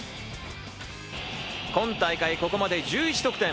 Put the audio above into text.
今大会、ここまで１１得点。